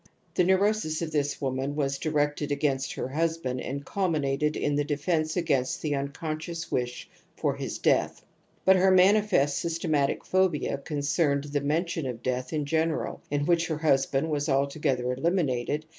The neurosis of this woman was directed against her husband and culminated in the defence against the unconscious'' wish for his death. But her manifest systematic phobia concerned the mention of death in general, in which her husband was altogether eliminated »• p. 26.